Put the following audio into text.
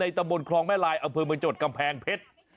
ในตะบนคลองแม่ลายอเผินมันจดกำแพงเพชร